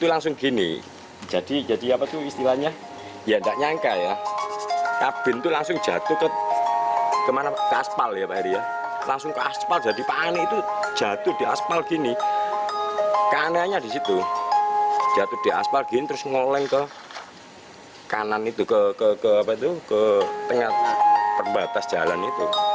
anak tersebut diperiksa sebagai saksi